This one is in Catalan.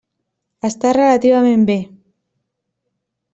Està relativament bé.